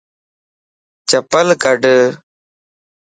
چپل ڪڊ